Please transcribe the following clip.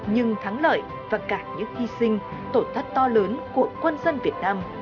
nhưng thắng lợi và cả những hy sinh tổ tắt to lớn của quân dân việt nam